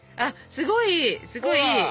すごいすごいいい。